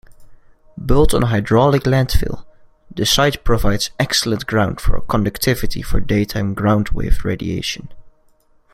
Built on hydraulic landfill, the site provides excellent ground conductivity for daytime groundwave radiation.